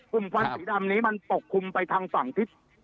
ควันสีดำนี้มันปกคลุมไปทางฝั่งทิศ